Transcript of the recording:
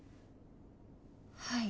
はい。